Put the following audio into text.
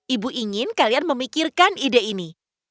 ibu ingin kalian memikirkan ide ini